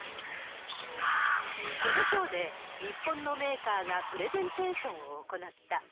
このショーで、日本のメーカーがプレゼンテーションを行った。